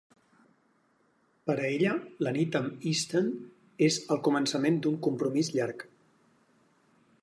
Per a ella, la nit amb Easton és el començament d'un compromís llarg.